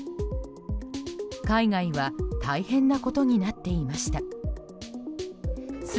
海外は大変なことになっていました。